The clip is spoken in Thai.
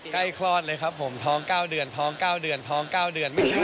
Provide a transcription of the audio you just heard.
ใกล้คลอดเลยจริงครับผมท้อง๙เดือนไม่ใช่